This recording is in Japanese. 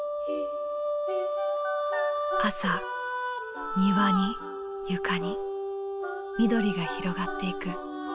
朝庭に床に緑が広がっていく。